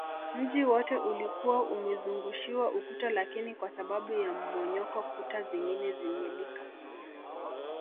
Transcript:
Mji wote ulikuwa umezungushiwa ukuta lakini kwa sababu ya mmomonyoko kuta zingine zimelika